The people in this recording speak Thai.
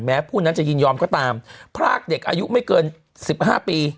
ผู้นั้นจะยินยอมก็ตามพรากเด็กอายุไม่เกิน๑๕ปี